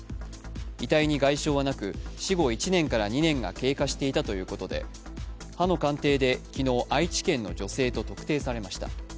遺体に外傷はなく、死後１年から２年が経過していたということで歯の鑑定で昨日、愛知県の女性を特定されました。